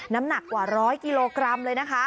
น้ำหนักกว่า๑๐๐กิโลกรัมเลยนะคะ